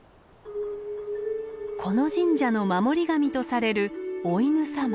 この神社の守り神とされるおいぬ様。